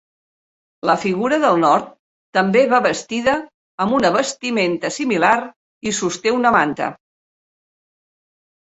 La figura del nord també va vestida amb una vestimenta similar i sosté una manta.